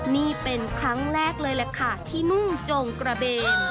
นี่เป็นครั้งแรกเลยที่นุ่มโจ่งกระเบน